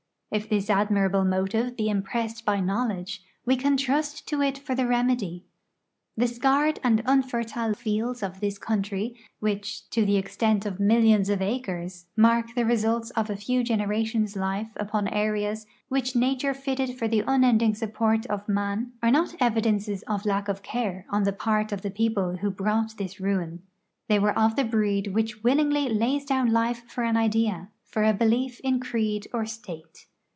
If this admirable motive be impressed by knowledge, we can trust to it for the remedy. The scarred and unfertile fields of this country, which, to the extent of millions of acres, mark the results of a few generations' life upon areas which nature fitted for the unending support of man, are not evidences of lack of care on the part of the people who brought this r*uin. They were of the breed which willingly lays down life for an idea, for a belief in creed or state.